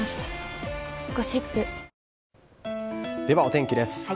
ではお天気です。